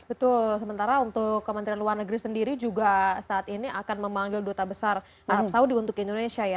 betul sementara untuk kementerian luar negeri sendiri juga saat ini akan memanggil duta besar arab saudi untuk indonesia ya